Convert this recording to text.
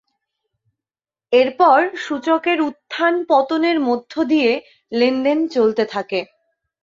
এরপর সূচকের উত্থান পতনের মধ্য দিয়ে লেনদেন চলতে থাকে।